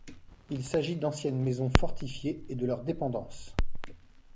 Il s'agit d'anciennes maisons fortifiées et de leurs dépendances.